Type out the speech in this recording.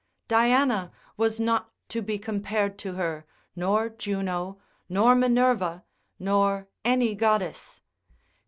Diana was not to be compared to her, nor Juno, nor Minerva, nor any goddess.